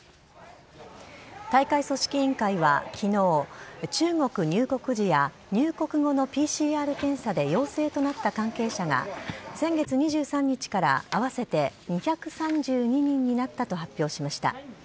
大会組織委員会は昨日中国入国時や入国後のＰＣＲ検査で陽性となった関係者が先月２３日から合わせて２３２人になったと発表しました。